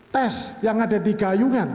tes yang ada di gayungan